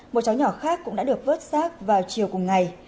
một cháu nhỏ khác cũng đã được vớt rác vào chiều cùng ngày